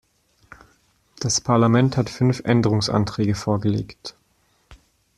Das Parlament hat fünf Änderungsanträge vorgelegt.